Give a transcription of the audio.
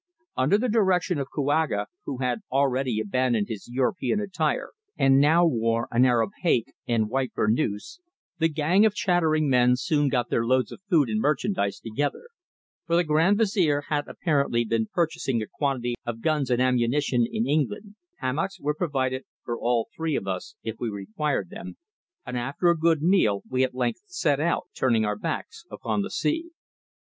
Under the direction of Kouaga, who had already abandoned his European attire and now wore an Arab haick and white burnouse, the gang of chattering men soon got their loads of food and merchandise together for the Grand Vizier had apparently been purchasing a quantity of guns and ammunition in England hammocks were provided for all three of us if we required them, and after a good meal we at length set out, turning our backs upon the sea.